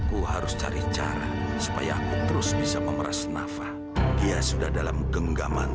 udah sekarang dokter temenin aida di belakang